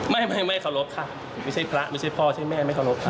ไม่ขอรบค่ะไม่ใช่พระไม่ใช่พ่อไม่ใช่แม่ไม่ขอรบค่ะ